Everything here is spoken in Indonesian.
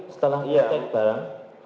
setelah menyiapkan barang